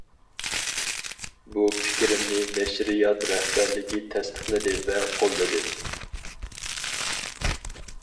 بۇ پىكرىمنى نەشرىيات رەھبەرلىكى تەستىقلىدى ۋە قوللىدى.